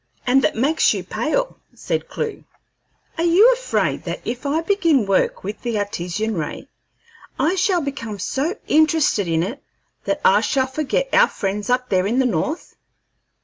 "And that makes you pale," said Clewe. "Are you afraid that if I begin work with the Artesian ray I shall become so interested in it that I shall forget our friends up there in the North?